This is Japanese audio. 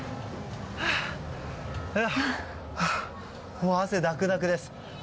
もう汗だくだくです。